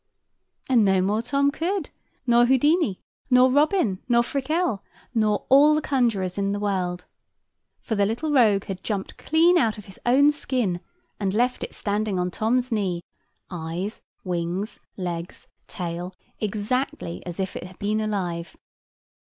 And no more Tom could, nor Houdin, nor Robin, nor Frikell, nor all the conjurors in the world. For the little rogue had jumped clean out of his own skin, and left it standing on Tom's knee, eyes, wings, legs, tail, exactly as if it had been alive.